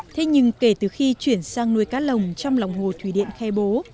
thế nhưng kể từ khi chuyển sang nuôi cá lồng trong lòng hồ thủy điện khe bố